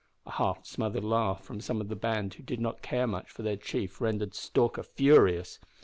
A half smothered laugh from some of the band who did not care much for their chief, rendered Stalker furious.